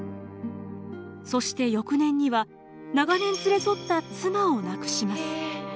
そして翌年には長年連れ添った妻を亡くします。